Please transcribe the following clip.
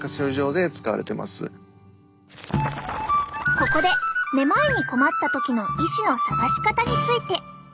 ここでめまいに困った時の医師の探し方について。